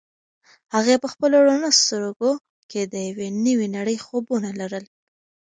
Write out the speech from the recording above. هغې په خپلو رڼو سترګو کې د یوې نوې نړۍ خوبونه لرل.